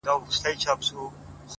اوښکي ساتمه ستا راتلو ته تر هغې پوري؛